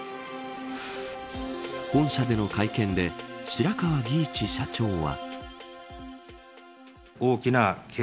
本社での会見で白川儀一社長は。